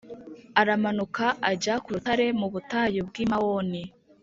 Aramanuka ajya ku rutare mu butayu bw i mawoni